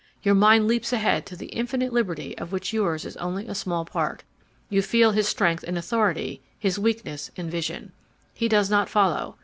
Your mind leaps ahead to the infinite liberty of which yours is only a small part. You feel his strength in authority, his weakness in vision. He does not follow.